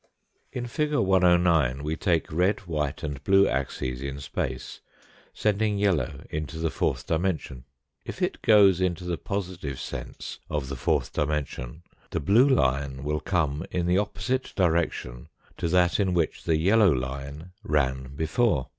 In fig. 109 we take red, white, and blue axes in space, sending yellow into the fourth dimension. If it goes into the positive sense of the fourth dimension the blue line will come in the opposite direction to that in which the REMARKS ON THE FIGURES 185 yellow line ran before.